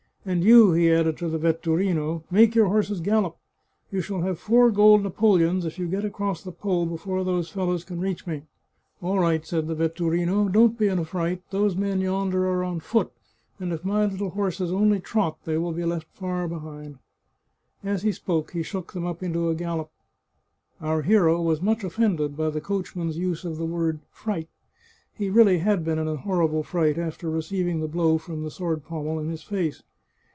And you," he added to the vetturino, " make your horses gallop ! You shall have four gold na poleons if you get across the Po before those fellows can reach me." "All right," said the vetturino; "don't be in a fright! Those men yonder are on foot, and if my little 198 The Chartreuse of Parma horses only trot they will be left far behind." As he spoke he shook them up into a gallop. Our hero was much offended by the coachman's use of the word fright. He really had been in a horrible fright after receiving the blow from the sword pommel in his face.